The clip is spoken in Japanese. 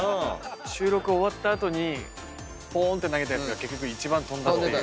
収録終わった後にぽーんって投げたやつが結局一番飛んだっていう。